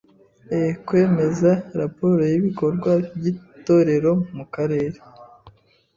e. Kwemeza raporo y’ibikorwa by’Itorero mu Karere